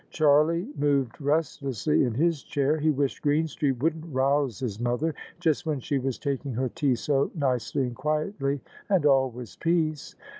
Charlie moved restlessly in his chair. He wished Green street wouldn't rouse his mother, just when she was taking her tea so nicely and quietly, and all was peace.